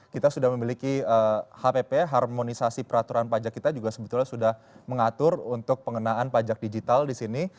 kita sudah memiliki hpp harmonisasi peraturan pajak kita juga sebetulnya sudah mengatur untuk pengenaan pajak digital di sini